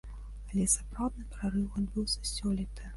Але сапраўдны прарыў адбыўся сёлета.